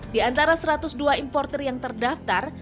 di antara satu ratus dua importer yang terdaftar